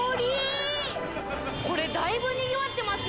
これだいぶにぎわってますね